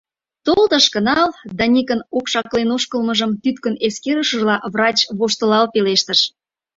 — Тол тышке, нал, — Даникын окшаклен ошкылмыжым тӱткын эскерышыжла, врач воштылал пелештыш.